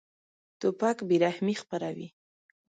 توپک بېرحمي خپروي.